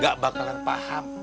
gak bakalan paham